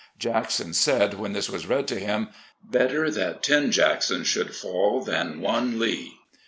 Jackson said, when this was read to him, • "Better that ten Jacksons should fall than one Lee."